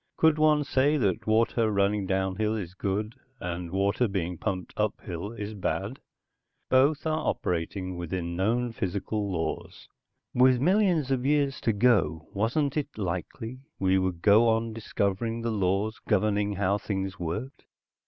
Could one say that water running down hill is good, and water being pumped up hill is bad? Both are operating within known physical laws. With millions of years to go, wasn't it likely we would go on discovering the laws governing how things worked?